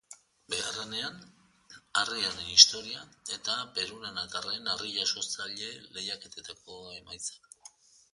Bigarrenean, harriaren historia eta perurenatarren harri-jasotzaile lehiaketetako emaitzak.